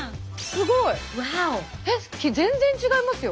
すごい。えっ全然違いますよ。